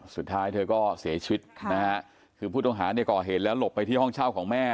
สุดท้ายเธอก็เสียชีวิตนะฮะคือผู้ต้องหาเนี่ยก่อเหตุแล้วหลบไปที่ห้องเช่าของแม่